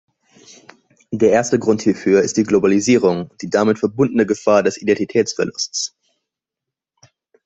Der erste Grund hierfür ist die Globalisierung und die damit verbundene Gefahr des Identitätsverlusts.